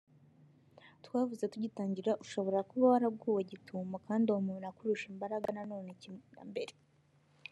twavuze tugitangira ushobora kuba waraguwe gitumo kandi uwo muntu akakurusha imbaraga nanone kimwe na mbere